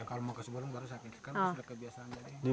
kalau mau kasih bolong baru sakit